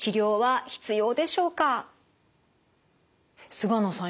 菅野さん